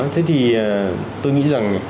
thế thì tôi nghĩ rằng